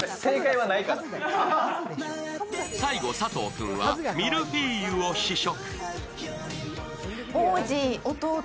最後、佐藤君はミルフィーユを試食。